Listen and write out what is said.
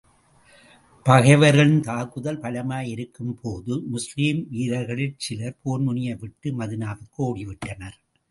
பகைவர்களின் தாக்குதல் பலமாயிருக்கும் போது, முஸ்லிம் வீரர்களில் சிலர் போர்முனையை விட்டு மதீனாவுக்கு ஓடி விட்டனர்.